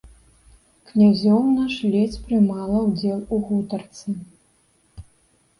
Князёўна ж ледзь прымала ўдзел у гутарцы.